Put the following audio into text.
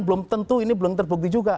belum tentu ini belum terbukti juga